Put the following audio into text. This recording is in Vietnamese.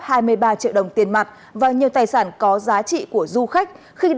hai mươi ba triệu đồng tiền mặt và nhiều tài sản có giá trị của du khách khi